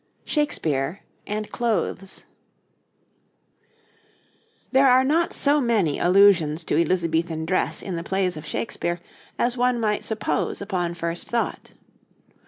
SHAKESPEARE AND CLOTHES There are not so many allusions to Elizabethan dress in the plays of Shakespeare as one might suppose upon first thought.